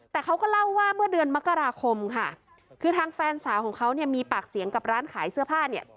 แต่เขาก็เล่าว่าเมื่อเดือนมกราคมค่ะคือทางแฟนสาวของเขาเนี่ยมีปากเสียงกับร้านขายเสื้อผ้าเนี่ย